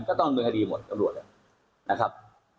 ก็ต้องเงินคดีหมดตำรวจเลยนะครับ